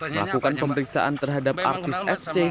melakukan pemeriksaan terhadap artis sc